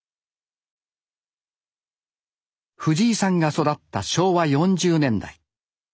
藤井さんが育った昭和４０年代。